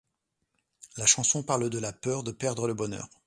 La chanson parle de la peur de perdre le bonheur.